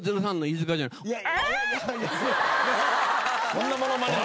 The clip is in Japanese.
そんなものまねも。